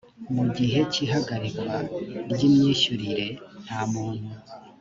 mu gihe cy ihagarikwa ry imyishyurire nta muntu